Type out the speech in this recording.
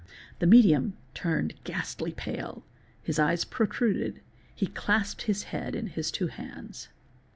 The medium turned ghastly pale, his eyes protruded, |_ he clasped his head in his two hands."